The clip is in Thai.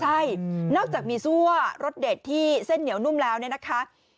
ใช่นอกจากมีซั่วรสเด็ดที่เส้นเหนียวนุ่มแล้วเนี่ยนะคะ